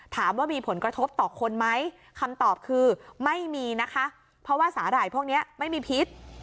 ถามว่ามีผลกระทบต่อคนไหมคำตอบคือไม่มีนะคะเพราะว่าสาหร่ายพวกนี้ไม่มีพิษ